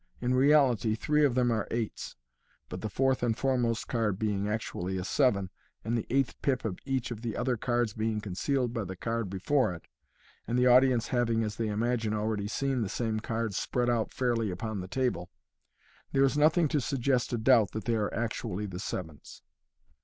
In reality, three of them are eights, but the fourth and foremost card being actually a seven, and the eighth pip of each of the other cards being concealed by the card before it, and the audience having, as they imagine, already seen the same cards spread out fairly upon the table, there is nothing to suggest a doubt that they are actually the sevens.